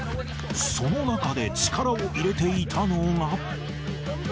その中で力を入れていたのが。